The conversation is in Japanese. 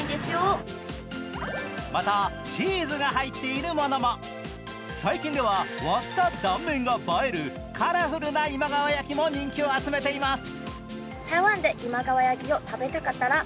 また、チーズが入っているものも最近では割った断面が映えるカラフルな今川焼きも人気を集めています。